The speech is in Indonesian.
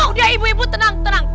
udah ibu ibu tenang tenang